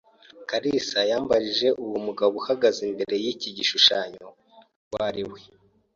kalisa yambajije uwo mugabo uhagaze imbere y’iki gishushanyo uwo ari we.